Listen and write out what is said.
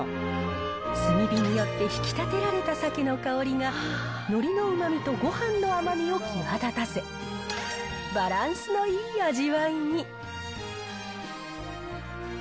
炭火によって引き立てられたサケの香りが、のりのうまみとごはんの甘みを際立たせ、バランスのいい味わいに。